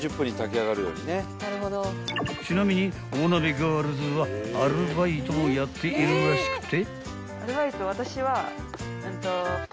［ちなみに大鍋ガールズはアルバイトもやっているらしくて］